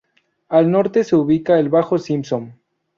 Al norte se ubica el Bajo Simpson.